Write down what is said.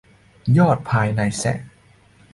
ยอดพลายนายแซะ